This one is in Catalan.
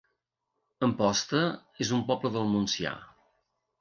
Amposta es un poble del Montsià